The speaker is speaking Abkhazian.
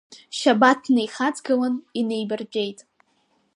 Шьабаҭ днеихаҵгылан, инеибартәеит.